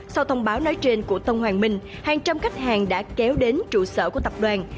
sau thông báo nói trên của tân hoàng minh hàng trăm khách hàng đã kéo đến trụ sở của tập đoàn